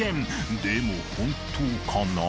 ［でも本当かな？］